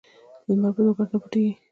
لمر په دوو ګوتو نه پوټیږی.